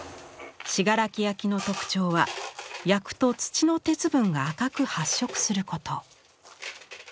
信楽焼の特徴は焼くと土の鉄分が赤く発色すること。